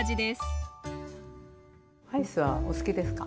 アイスはお好きですか？